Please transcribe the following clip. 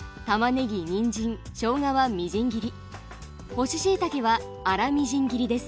干ししいたけは粗みじん切りです。